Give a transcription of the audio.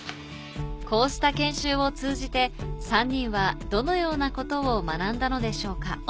こうした研修を通じて３人はどのようなことを学んだのでしょうか